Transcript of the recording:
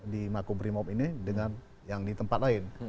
di mako brimob ini dengan yang di tempat lain